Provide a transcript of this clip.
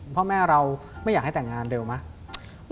พ่อแม่เราไม่อยากให้แต่งงานเร็วไหม